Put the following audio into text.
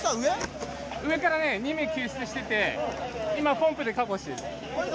上から２名救出してて、今、ポンプで確保している。